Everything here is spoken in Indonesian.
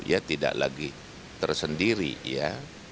ya tidak lagi tersendiri ya